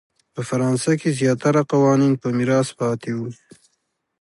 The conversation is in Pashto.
په فرانسه کې زیاتره قوانین په میراث پاتې وو.